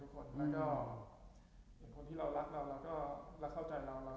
คนที่เรารักเราเราก็เข้าใจเรา